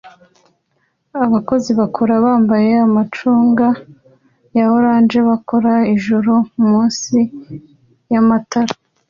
Abakozi bakora bambaye amacunga ya orange bakora nijoro munsi yamatara